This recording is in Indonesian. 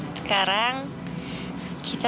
akhirnya yang dipercaya